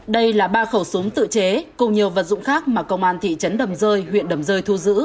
đây là ba khẩu súng tự chế cùng nhiều vật dụng khác mà công an thị trấn đầm rơi huyện đầm rơi thu giữ